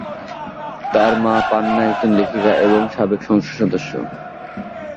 তার মা পান্না একজন লেখিকা এবং সাবেক সংসদ সদস্য।